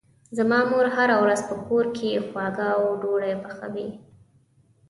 زما مور هره ورځ په کور کې خواږه او ډوډۍ پخوي.